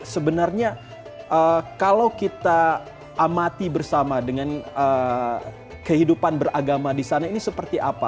sebenarnya kalau kita amati bersama dengan kehidupan beragama di sana ini seperti apa